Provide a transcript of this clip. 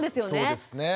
そうですね。